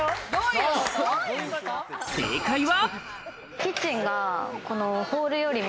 正解は。